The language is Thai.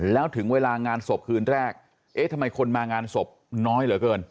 แล้วถึงเวลางานศพคืนแรกเอ๊ะทำไมคนมางานศพน้อยเหลือเกิน